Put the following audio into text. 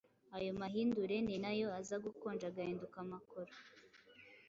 Ayo mahindure ninayo aza gukonja agahinduka amakoro